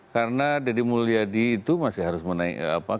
karena deddy mulyadi itu masih harus menaikkan